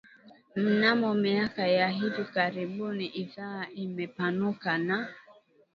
Mnamo miaka ya hivi karibuni idhaa imepanuka na